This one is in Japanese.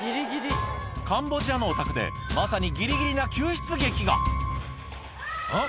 カンボジアのお宅でまさにギリギリな救出劇がん？